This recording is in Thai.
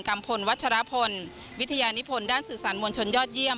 พลวัชรพลวิทยานิพลด้านสื่อสารมวลชนยอดเยี่ยม